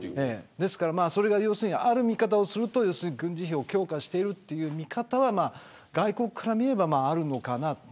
ある見方をすれば軍事費を強化しているという見方は外国から見ればあるかなと。